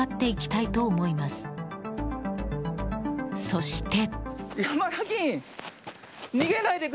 そして。